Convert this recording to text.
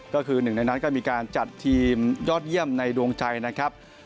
ก็คือหนึ่งในนั้นก็มีการจัดทีมยอดเยี่ยมในดวงใจนะครับ